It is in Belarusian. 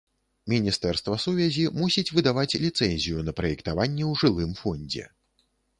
Міністэрства сувязі мусіць выдаваць ліцэнзію на праектаванне ў жылым фондзе.